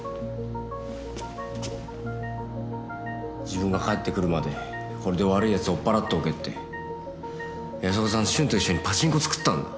自分が帰ってくるまでこれで悪い奴を追っ払っておけって安岡さん俊と一緒にパチンコを作ったんだ。